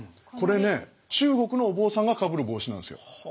これね中国のお坊さんがかぶる帽子なんですよ。